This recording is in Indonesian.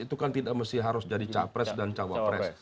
itu kan tidak harus jadi cawapres dan cawapres